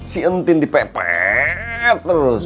si entin dipepet terus